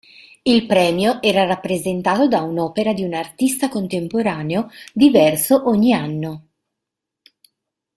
Il premio era rappresentato da un'opera di un artista contemporaneo diverso ogni anno.